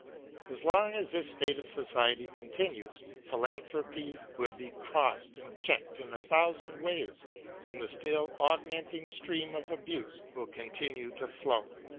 As long as this state of society continues, philanthropy will he. 86 WILLIAM GODWIN AND crossed and checked in a thousand ways, and the still augmenting stream of abuse will continue to flow.